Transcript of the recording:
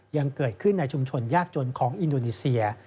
ยังเกิดขึ้นในชุมชนยากจนของอินโดนีเซีย